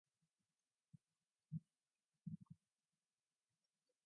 She produces content for the Internet and television.